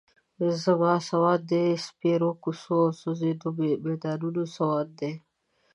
زما سواد د سپېرو کوڅو او سوځنده میدانونو سواد دی.